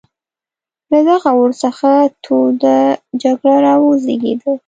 له دغه اور څخه توده جګړه را وزېږېده.